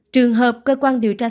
trường hợp cơ quan điều tra sản